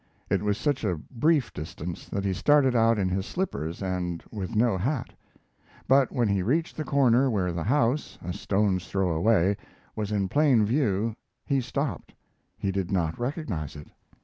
It was such a brief distance that he started out in his slippers and with no hat. But when he reached the corner where the house, a stone's throw away, was in plain view he stopped. He did not recognize it.